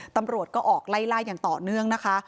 ตำรวจก็ออกไล่ล่าอย่างต่อเนื่องนะคะ